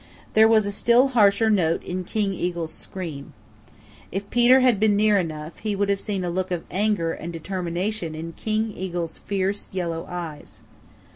There was a still harsher note in King Eagle's scream. If Peter had been near enough he would have seen a look of anger and determination in King Eagle's fierce, yellow eyes.